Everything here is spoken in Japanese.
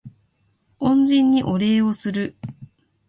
恩人にお礼をする